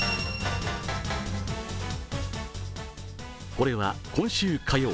これは今週火曜